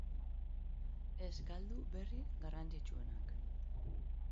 Ez galdu berri garrantzitsuenak.